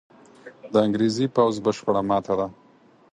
د انګرېزي پوځ بشپړه ماته ده.